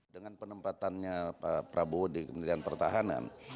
dengan penempatannya pak prabowo di kementerian pertahanan